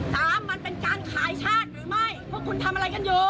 สามมันเป็นการขายชาติหรือไม่เพราะคุณทำอะไรกันอยู่